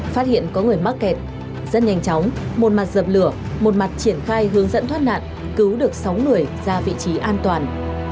phát hiện có người mắc kẹt rất nhanh chóng một mặt dập lửa một mặt triển khai hướng dẫn thoát nạn cứu được sáu người ra vị trí an toàn